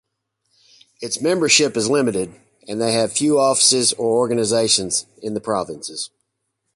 Its membership is limited, and they have few offices or organizations in the provinces.